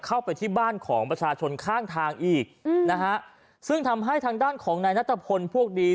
เข้าไปที่บ้านของประชาชนข้างทางอีกอืมนะฮะซึ่งทำให้ทางด้านของนายนัทพลพวกดี